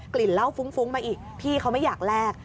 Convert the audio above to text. ลิ่นเหล้าฟุ้งมาอีกพี่เขาไม่อยากแลก